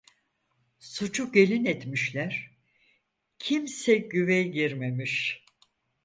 Suçu gelin etmişler, kimse güvey girmemiş.